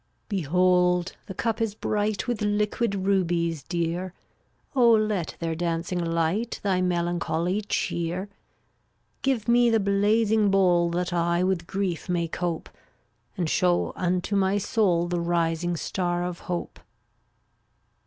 0Utt<$ ^a*A« Behold, the cup is bright „ With liquid rubies, Dear; (JyC/ Oh let their dancing light Thy melancholy cheer. Give me the blazing bowl That I with grief may cope, And show unto my soul The rising star of hope.